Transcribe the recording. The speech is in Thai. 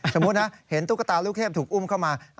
สมมุตินะเห็นตุ๊กตาลูกเทพถูกอุ้มเข้ามา